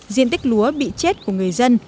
diện tích lúa bị chết của người dân